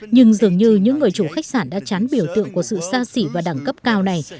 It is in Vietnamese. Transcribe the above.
nhưng dường như những người chủ khách sạn đã chán biểu tượng của sự xa xỉ và đẳng cấp cao này